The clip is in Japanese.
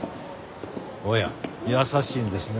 おや優しいんですね。